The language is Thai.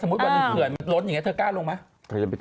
สมมุติวันนึงเขื่อนมันลดอย่างนี้เธอกล้าลงมั้ย